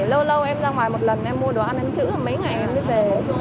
lâu lâu em ra ngoài một lần em mua đồ ăn ăn chữ và mấy ngày em mới về